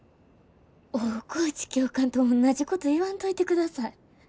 大河内教官とおんなじこと言わんといてください。